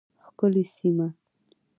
ښکلې سیمه